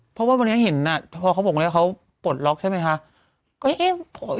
เพราะว่าวันนี้เห็นพอเขาบอกแล้วเขาปลดล็อกใช่ไหมคะ